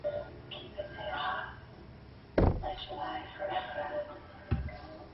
这样可以确保雷达波的一部分能量能够从微粒表面反射回雷达站所在方向。